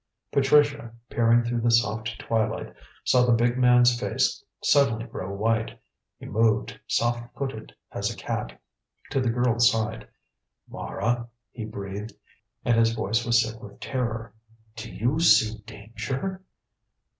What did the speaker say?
Patricia, peering through the soft twilight, saw the big man's face suddenly grow white. He moved, soft footed as a cat, to the girl's side. "Mara," he breathed, and his voice was sick with terror, "do you see danger?"